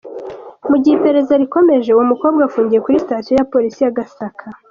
Mu gihe iperereza rikomeje, uwo mukobwa afungiye kuri sitasiyo ya Polisi ya Gasaka.